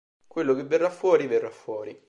Quello che verrà fuori, verrà fuori".